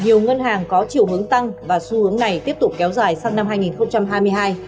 nhiều ngân hàng có chiều hướng tăng và xu hướng này tiếp tục kéo dài sang năm hai nghìn hai mươi hai